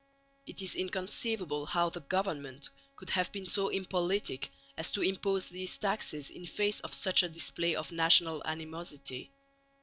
It is inconceivable how the government could have been so impolitic as to impose these taxes in face of such a display of national animosity.